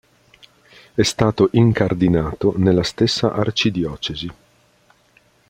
È stato incardinato nella stessa arcidiocesi.